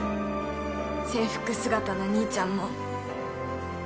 制服姿の兄ちゃんも。